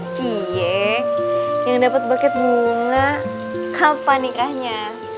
cie yang dapet baket bunga kapan nikahnya